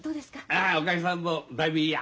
ああおかげさんとだいぶいいや。